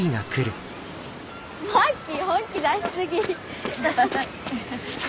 マッキー本気出しすぎ。